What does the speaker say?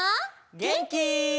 げんき？